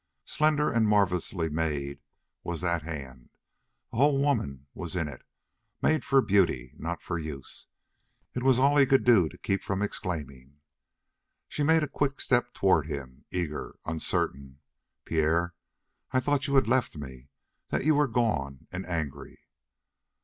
Slender and marvelously made was that hand. The whole woman was in it, made for beauty, not for use. It was all he could do to keep from exclaiming. She made a quick step toward him, eager, uncertain: "Pierre, I thought you had left me that you were gone, and angry."